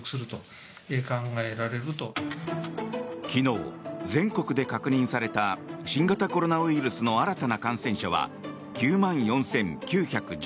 昨日、全国で確認された新型コロナウイルスの新たな感染者は９万４９１４人。